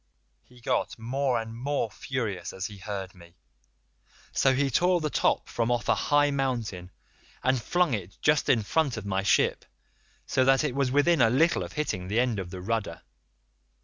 "He got more and more furious as he heard me, so he tore the top from off a high mountain, and flung it just in front of my ship so that it was within a little of hitting the end of the rudder.